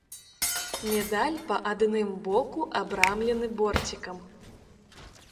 Медаль па адным боку абрамлены борцікам.